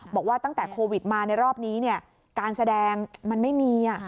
บอกว่าตั้งแต่โควิดมาในรอบนี้การแสดงมันไม่มี